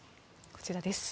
こちらです。